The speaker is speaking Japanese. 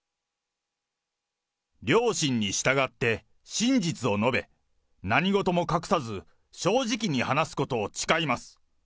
良心に従って、真実を述べ、何事も隠さず、正直に話すことを誓います。